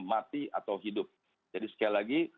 mati atau hidup jadi sekali lagi